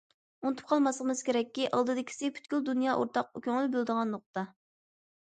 ئۇنتۇپ قالماسلىقىمىز كېرەككى، ئالدىدىكىسى پۈتكۈل دۇنيا ئورتاق كۆڭۈل بۆلىدىغان نۇقتا.